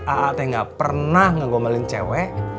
ate gak pernah ngegomelin cewe